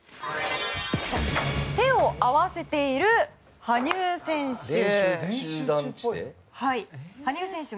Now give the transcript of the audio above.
手を合わせている羽生選手。